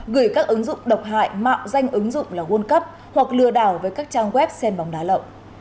gửi các ứng dụng độc hại mạo danh ứng dụng là world cup hoặc lừa đảo với các trang web xem bóng đá lậu